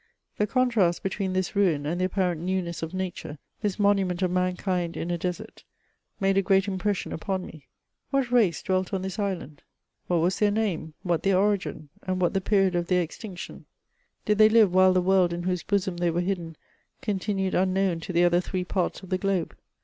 The contrast between this ruin and the apparent newness of nature, this monument of mankind in a desert, made a great impression upon me. What race dwelt on this island ? what was their name ? what their origin ? and what the period of their extinction ? Did they live while the world, in whose bosom they were hidden, continued un known to the other three parts of the globe